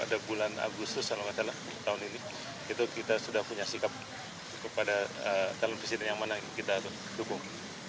kalau calon presiden itu diajukan pada bulan agustus tahun ini itu kita sudah punya sikap kepada calon presiden yang mana kita dukung